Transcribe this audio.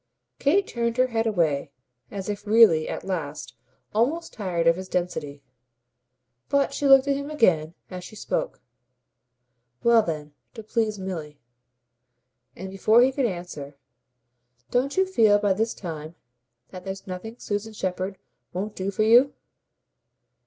Kate turned her head away as if really at last almost tired of his density. But she looked at him again as she spoke. "Well then to please Milly." And before he could question: "Don't you feel by this time that there's nothing Susan Shepherd won't do for you?"